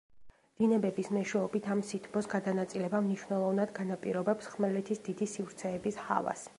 დინებების მეშვეობით ამ სითბოს გადანაწილება მნიშვნელოვნად განაპირობებს ხმელეთის დიდი სივრცეების ჰავას.